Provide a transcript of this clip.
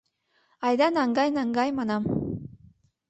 — Айда, наҥгай, наҥгай, — манам.